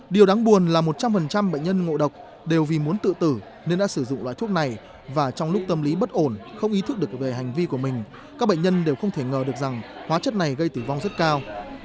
điều đáng buồn là một trăm linh bệnh nhân ngộ độc đều vì muốn tự tử nên đã sử dụng loại thuốc này và trong lúc tâm lý bất ổn không ý thức được về hành vi của mình các bệnh nhân đều không thể ngờ được rằng hóa chất này gây tử vong rất cao